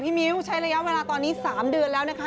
มิ้วใช้ระยะเวลาตอนนี้๓เดือนแล้วนะคะ